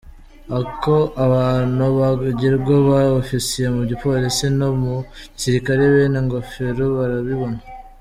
Uko abantu bagirwa ba officiers mu gipolisi no mu gisirikare bene ngofero barabibona.